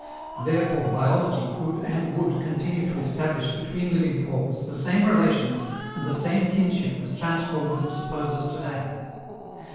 Therefore biology could and would continue to establish between living forms the same relations and the same kinship as transformism supposes to day.